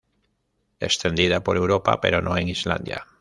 Extendida por Europa, pero no en Islandia.